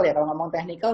kalau ngomong teknikal